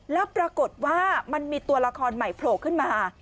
แล้วปรากฏว่ามันมีตัวละครใหม่โผล่ขึ้นมา